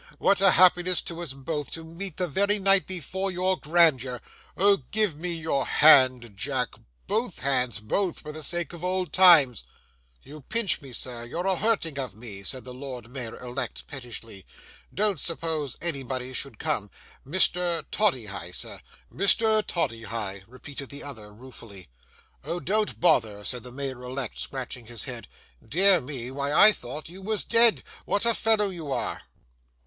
What a happiness to us both, to meet the very night before your grandeur! O! give me your hand, Jack,—both hands,—both, for the sake of old times.' 'You pinch me, sir. You're a hurting of me,' said the Lord Mayor elect pettishly. 'Don't,—suppose anybody should come,—Mr. Toddyhigh, sir.' 'Mr. Toddyhigh!' repeated the other ruefully. 'O, don't bother,' said the Lord Mayor elect, scratching his head. 'Dear me! Why, I thought you was dead. What a fellow you are!